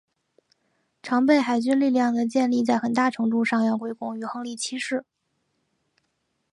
常备海军力量的建立在很大程度上要归功于亨利七世。